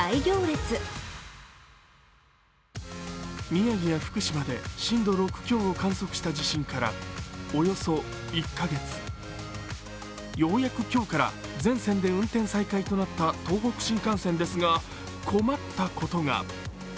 宮城や福島で震度６強の震度を観測した地震からおよそ１カ月、ようやく今日から全線で運転再開となった東北新幹線ですが、困ったことが。